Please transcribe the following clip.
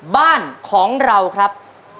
บ้านของเราครับ